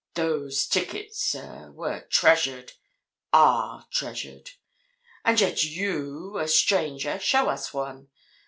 Those tickets, sir, were treasured—are treasured. And yet you, a stranger, show us one!